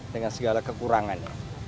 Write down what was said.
dengan segala kekurangan